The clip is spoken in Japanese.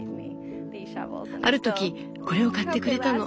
ある時これを買ってくれたの。